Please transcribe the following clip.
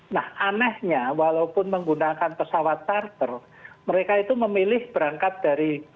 nah anehnya walaupun menggunakan pesawat charter mereka itu memilih berangkat dari